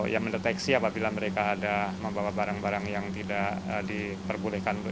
yang mendeteksi apabila mereka ada membawa barang barang yang tidak diperbolehkan